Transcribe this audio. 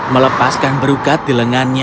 melepaskan brokat di lengannya